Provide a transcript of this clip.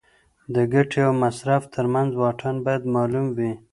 د ګټې او مصرف ترمنځ واټن باید معلوم وي.